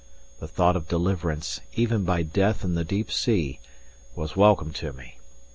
The thought of deliverance, even by death in the deep sea, was welcome to me.